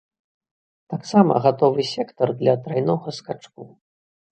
Таксама гатовы сектар для трайнога скачку.